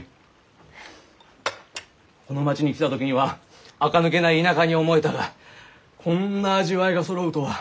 この町に来た時にはあか抜けない田舎に思えたがこんな味わいがそろうとは！